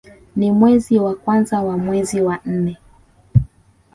Ni mwezi wa kwanza na mwezi wa nne